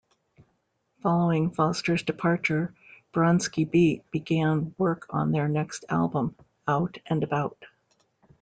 Following Foster's departure, Bronski Beat began work on their next album, "Out and About".